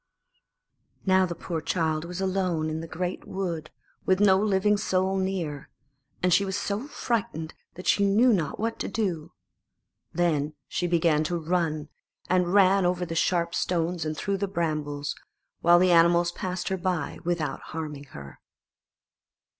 Now the poor child was alone in the great wood, with no living soul near, and she was so frightened that she knew not what to do. Then she began to run, and ran over the sharp stones and through the brambles, while the animals passed her by without harming her.